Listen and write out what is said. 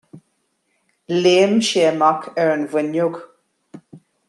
Léim sé amach ar an bhfuinneog.